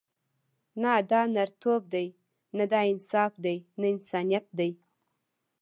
نه دا نرتوب دی، نه دا انصاف دی، نه انسانیت دی.